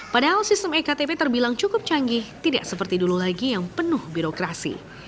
padahal sistem ektp terbilang cukup canggih tidak seperti dulu lagi yang penuh birokrasi